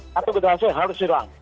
satu generasi harus silang